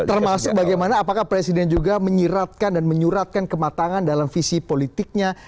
termasuk bagaimana apakah presiden juga menyiratkan dan menyuratkan kematangan dalam visi politiknya